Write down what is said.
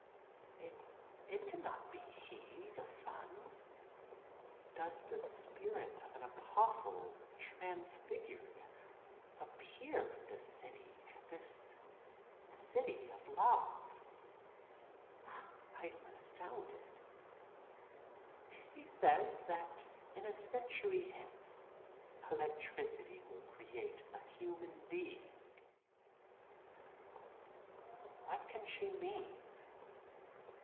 It cannot be He, the Son. Does the spirit of an apostle transfigured appear in this city—this city of love? I am astounded." "He says that in a century hence electricity will create a human being." What can she mean?